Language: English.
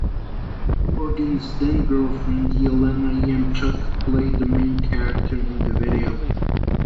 Corgan's then-girlfriend Yelena Yemchuk played the main character in the video.